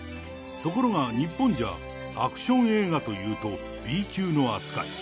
ところが日本じゃアクション映画というと、Ｂ級の扱い。